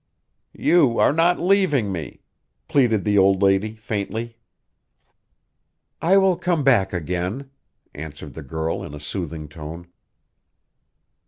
"You are not leaving me!" pleaded the old lady faintly. "I will come back again," answered the girl in a soothing tone.